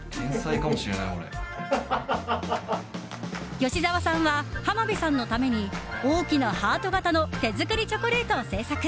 吉沢さんは浜辺さんのために大きなハート形の手作りチョコレートを制作。